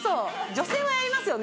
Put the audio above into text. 女性はやりますよね